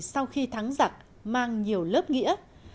sau khi thắng giặc mang nhiều lớp nghĩa